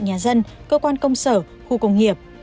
nhà dân cơ quan công sở khu công nghiệp